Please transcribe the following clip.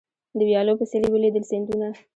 د ویالو په څېر یې ولیدل سیندونه